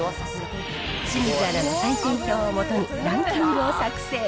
清水アナの採点表を基にランキングを作成。